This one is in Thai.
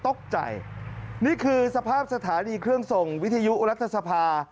ตกใจนี่คือสภาพสถานีเครื่องส่งวิทยุรัฐสภา